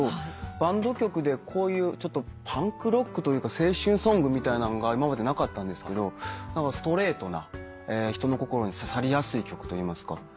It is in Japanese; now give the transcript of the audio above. バンド曲でこういうパンクロックというか青春ソングみたいなんが今までなかったんですけどストレートな人の心に刺さりやすい曲といいますか。